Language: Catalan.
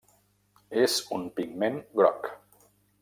És un pigment groc.